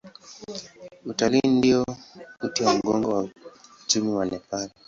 Utalii ndio uti wa mgongo wa uchumi wa Nepal.